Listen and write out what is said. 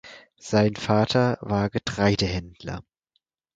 Sein Vater war Getreidehändler.